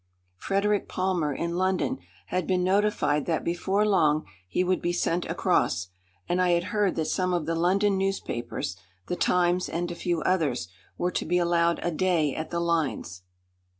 Frederick Palmer in London had been notified that before long he would be sent across, and I had heard that some of the London newspapers, the Times and a few others, were to be allowed a day at the lines.